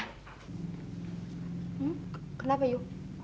hmm kenapa yuk